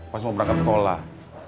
pas mau berangkat sekolah